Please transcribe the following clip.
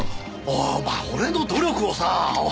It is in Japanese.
お前俺の努力をさあ！